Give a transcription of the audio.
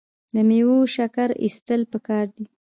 د میوو شکر ایستل پکار دي.